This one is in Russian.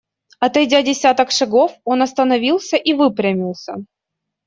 Отойдя десяток шагов, он остановился и выпрямился.